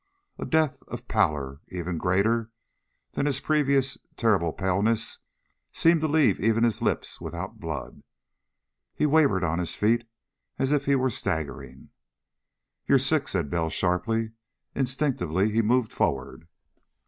A depth of pallor even greater than his previous terrible paleness seemed to leave even his lips without blood. He wavered on his feet, as if he were staggering. "You're sick!" said Bell sharply. Instinctively he moved forward.